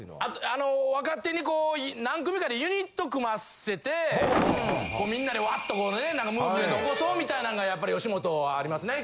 あの若手にこう何組かでユニット組ませてみんなでワッとこうねムーブメント起こそうみたいなんがやっぱり吉本はありますね。